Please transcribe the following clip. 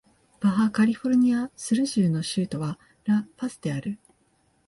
バハ・カリフォルニア・スル州の州都はラ・パスである